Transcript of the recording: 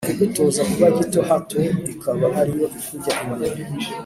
inda igutoza kuba gito hato ikaba ari yo ikujya imbere